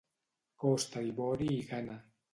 Costa d'Ivori i Ghana.